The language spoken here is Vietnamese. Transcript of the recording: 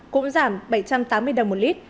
cũng giảm bảy trăm tám mươi đồng một lít